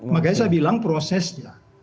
jadi itu prosesnya